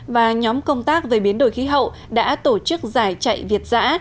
và nhóm công tác về biến đổi khí hậu đã tổ chức giải chạy việt giã